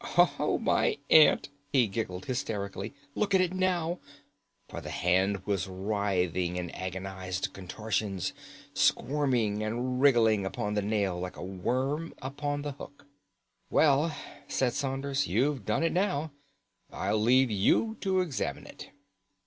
"Oh, my aunt," he giggled hysterically, "look at it now," for the hand was writhing in agonized contortions, squirming and wriggling upon the nail like a worm upon the hook. "Well," said Saunders, "you've done it now. I'll leave you to examine it."